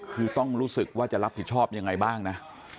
คือต้องรู้สึกว่าจะรับผิดชอบยังไงบ้างนะ